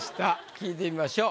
聞いてみましょう。